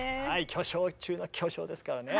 巨匠中の巨匠ですからね。